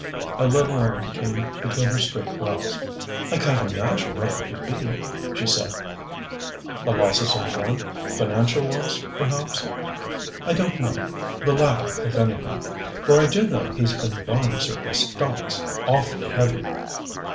A little line came between her straight brows. "I can't imagine what they could be " she said. "The loss of some friend? Financial loss, perhaps ?" "I don't know. The latter, if anything. For I do know he's been buying certain stocks awfully heavy."